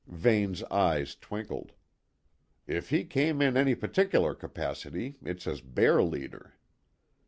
Vane's eyes twinkled. "If he came in any particular capacity, it's as bear leader.